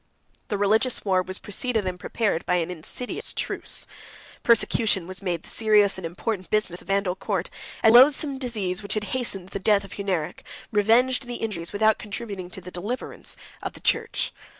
The religious war was preceded and prepared by an insidious truce; persecution was made the serious and important business of the Vandal court; and the loathsome disease which hastened the death of Hunneric, revenged the injuries, without contributing to the deliverance, of the church.